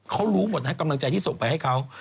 เขารู้หมดนะกำลังใจที่ส่งไปให้เขา